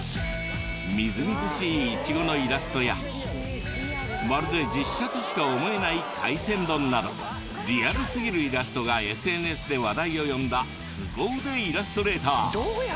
みずみずしいのイラストやまるで実写としか思えないなどリアルすぎるイラストがＳＮＳで話題を呼んだすご腕イラストレーター。